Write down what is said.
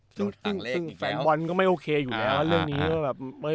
ซึ่งแฟนบอลก็ไม่โอเคอยู่แล้วเรื่องนี้ก็แบบ